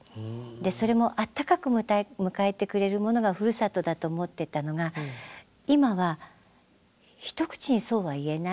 それもあったかく迎えてくれるものがふるさとだと思ってたのが今は一口にそうは言えない。